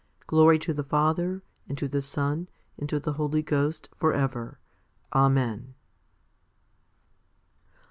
Glory to the Father, and to the Son, and to the Holy Ghost, for ever. Amen.